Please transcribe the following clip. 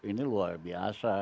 ini luar biasa